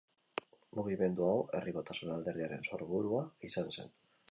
Mugimendu hau Herri Batasuna alderdiaren sorburua izan zen.